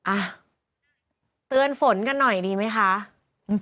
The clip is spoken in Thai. อ่ะเตือนฝนกันหน่อยดีไหมคะ